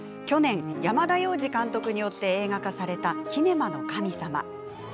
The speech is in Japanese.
去年山田洋次監督によって映画化された「キネマの神様」。